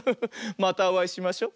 またおあいしましょ。